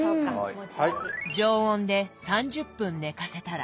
常温で３０分寝かせたら。